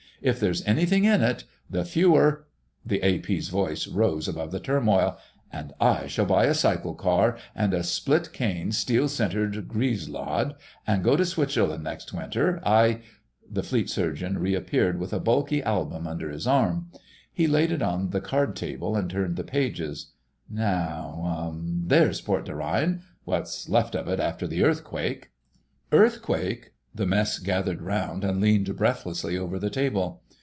If there's anything in it, the fewer——" The A.P.'s voice rose above the turmoil: "An' I shall buy a cycle car ... and a split cane, steel centred grilse rod ... and go to Switzerland next winter—I——" The Fleet Surgeon reappeared with a bulky album under his arm; he laid it on the card table and turned the pages. "Now—there's Port des Reines: what's left of it after the earthquake." "Earthquake!" The Mess gathered round and leaned breathlessly over the table.